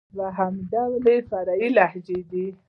دوهم ډول ئې فرعي لهجې دئ.